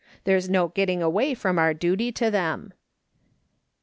There's no getting away from our duty to them."